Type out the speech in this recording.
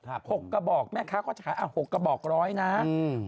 หกกระบอกแม่ค้าเขาจะขายอ่ะหกกระบอกร้อยนะอืม